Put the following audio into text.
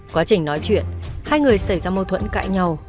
quá trình nói chuyện hai người xảy ra mâu thuẫn cãi nhau